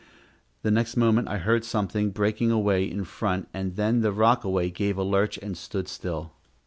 The next moment I heard something breaking away in front, and then the rockaway gave a lurch and stood still.